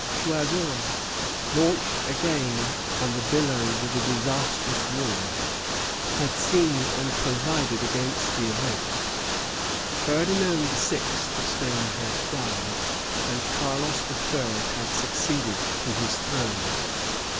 Choiseul, launched again on the billows of a disastrous war, had seen and provided against the event. Ferdinand VI. of Spain had died, and Carlos III. had succeeded to his throne.